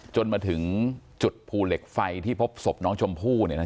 จนมาถึงจุดภูเหล็กไฟที่พบศพน้องชมพู่